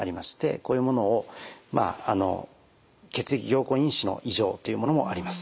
こういうもの血液凝固因子の異常というものもあります。